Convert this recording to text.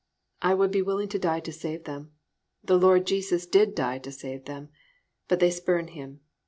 I would be willing to die to save them. The Lord Jesus did die to save them. But they spurn Him.